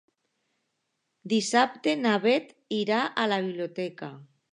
Dissabte na Bet irà a la biblioteca.